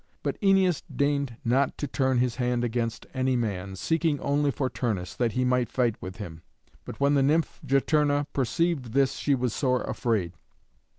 But Æneas deigned not to turn his hand against any man, seeking only for Turnus, that he might fight with him. But when the nymph Juturna perceived this she was sore afraid.